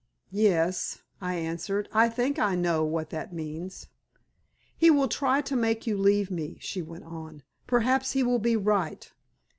"Yes," I answered. "I think I know what that means." "He will try to make you leave me," she went on. "Perhaps he will be right.